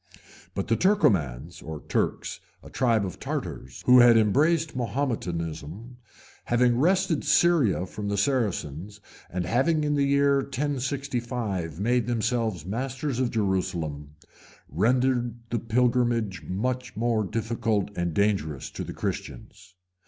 But the Turcomans or Turks, a tribe of Tartars, who had embraced Mahometanism, having wrested Syria from the Saracens, and having in the year 1065 made themselves masters of Jerusalem, rendered the pilgrimage much more difficult and dangerous to the Christians.